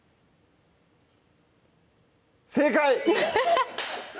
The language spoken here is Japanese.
正解！